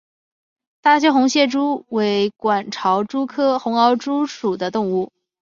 大邱红螯蛛为管巢蛛科红螯蛛属的动物。